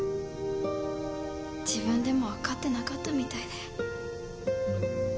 自分でも分かってなかったみたいで。